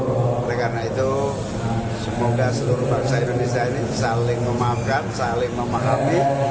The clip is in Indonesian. oleh karena itu semoga seluruh bangsa indonesia ini saling memaafkan saling memahami